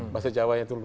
bahasa jawa yang itu